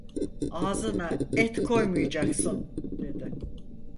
Ağzına et koymayacaksın, dedi.